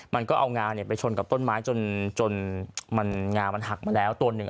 มันก็เอางาไปชนกับต้นไม้จนมันงามันหักมาแล้วตัวหนึ่ง